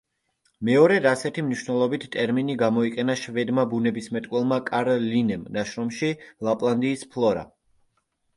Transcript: მეორედ ასეთი მნიშვნელობით ტერმინი გამოიყენა შვედმა ბუნებისმეტყველმა კარლ ლინემ ნაშრომში „ლაპლანდიის ფლორა“.